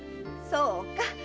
そうか。